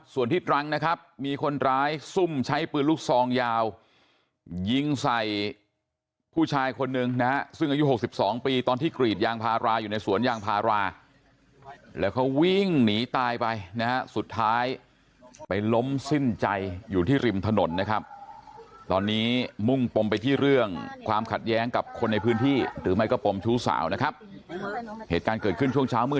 ส่วนที่ตรังนะครับมีคนร้ายซุ่มใช้ปืนลูกซองยาวยิงใส่ผู้ชายคนหนึ่งนะฮะซึ่งอายุ๖๒ปีตอนที่กรีดยางพาราอยู่ในสวนยางพาราแล้วเขาวิ่งหนีตายไปนะฮะสุดท้ายไปล้มสิ้นใจอยู่ที่ริมถนนนะครับตอนนี้มุ่งปมไปที่เรื่องความขัดแย้งกับคนในพื้นที่หรือไม่ก็ปมชู้สาวนะครับเหตุการณ์เกิดขึ้นช่วงเช้ามืด